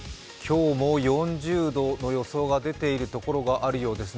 今日も４０度の予想が出ているところがあるようです